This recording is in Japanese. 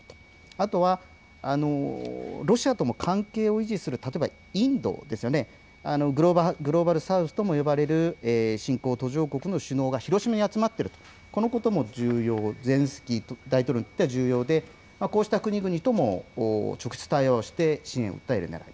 あとは、ロシアとも関係を維持する例えばインド、グローバル・サウスとも呼ばれる新興、途上国の首脳が広島に集まっているとこのことも重要、ゼレンスキー大統領にとっては重要でこうした国々とも直接対話をして支援を訴えるねらい。